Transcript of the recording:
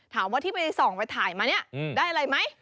ถามว่าที่ไปส่องไปถ่ายมาเนี่ยได้อะไรไหม